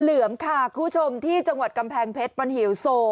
เหลือมค่ะคุณผู้ชมที่จังหวัดกำแพงเพชรมันหิวโซ